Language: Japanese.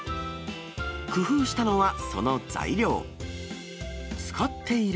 工夫したのは、その材料。